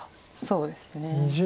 そうですね。